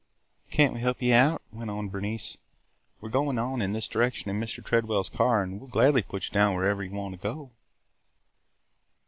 "Can't we help you out?" went on Bernice. "We 're going on in this direction in Mr. Tredwell's car and will gladly put you down wherever you want to go."